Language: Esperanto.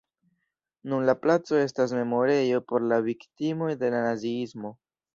Nun la placo estas memorejo por la viktimoj de la naziismo.